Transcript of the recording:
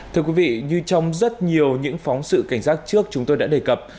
thưa quý vị như trong rất nhiều những phóng sự cảnh giác trước chúng tôi đã đề cập